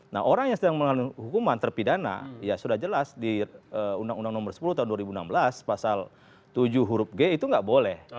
nah orang yang sedang mengalami hukuman terpidana ya sudah jelas di undang undang nomor sepuluh tahun dua ribu enam belas pasal tujuh huruf g itu nggak boleh